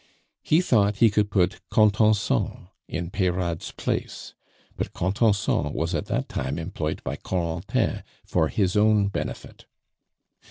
He thought he could put Contenson in Peyrade's place; but Contenson was at that time employed by Corentin for his own benefit.